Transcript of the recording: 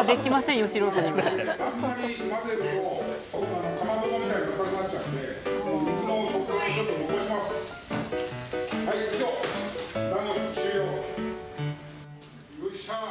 よっしゃ！